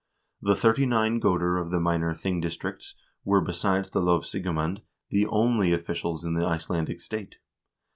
The thirty nine goder of the minor thing districts were, besides the lovsigemand, the only officials in the Icelandic state.